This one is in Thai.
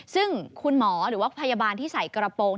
ซึ่งคุณหมอหรือว่าพยาบาลที่ใส่กระโปรง